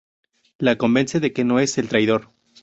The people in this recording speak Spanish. La convence de que no es el traidor.